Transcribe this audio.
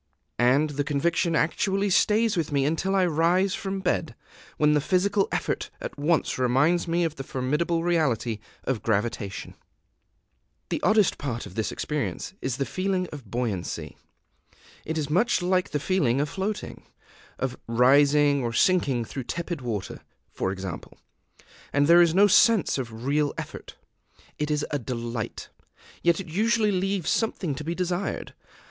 And the conviction actually stays with me until I rise from bed, when the physical effort at once reminds me of the formidable reality of gravitation. The oddest part of this experience is the feeling of buoyancy. It is much like the feeling of floating, of rising or sinking through tepid water, for example; and there is no sense of real effort. It is a delight; yet it usually leaves something to be desired.